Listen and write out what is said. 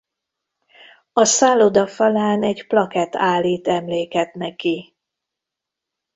A szálloda falán egy plakett állít emléket neki.